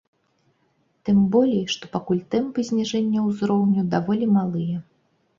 Тым болей, што пакуль тэмпы зніжэння ўзроўню даволі малыя.